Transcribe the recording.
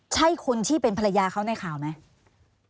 ใช่คนที่เป็นภรรยาเขาในข่าวไหม